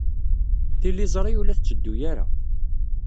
Tiliẓri ur la tetteddu ara.